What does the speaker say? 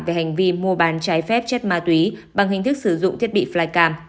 về hành vi mua bán trái phép chất ma túy bằng hình thức sử dụng thiết bị flycam